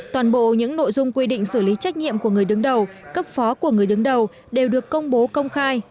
toàn bộ những nội dung quy định xử lý trách nhiệm của người đứng đầu cấp phó của người đứng đầu đều được công bố công khai